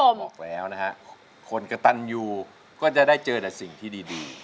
บอกแล้วนะฮะคนกระตันอยู่ก็จะได้เจอแต่สิ่งที่ดี